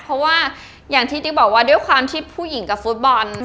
เพราะว่าอย่างที่ติ๊กบอกว่าด้วยความที่ผู้หญิงกับฟุตบอล